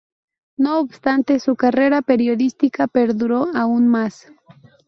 No obstante, su carrera periodística perduró aún más.